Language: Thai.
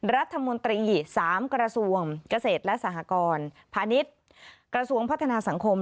รัฐมนตรี๓กระทรวงเกษตรและสหกรพาณิชย์กระทรวงพัฒนาสังคม